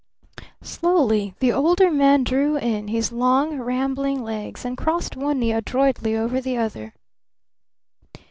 Slowly the Older Man drew in his long, rambling legs and crossed one knee adroitly over the other.